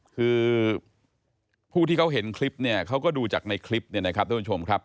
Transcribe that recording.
คือผู้ที่เขาเห็นคลิปเนี่ยเขาก็ดูจากในคลิปเนี่ยนะครับท่านผู้ชมครับ